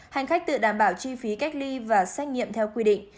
hành khách tự đảm bảo chi phí cách ly và xét nghiệm theo quy định